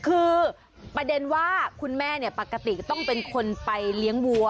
เรื่องจริง